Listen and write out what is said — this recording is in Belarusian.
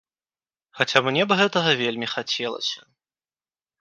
Хаця мне б гэтага вельмі хацелася.